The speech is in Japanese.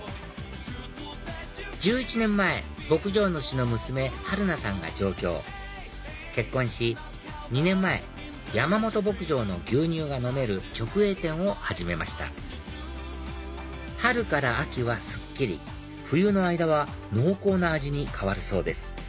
１１年前牧場主の娘春菜さんが上京結婚し２年前山本牧場の牛乳が飲める直営店を始めました春から秋はすっきり冬の間は濃厚な味に変わるそうです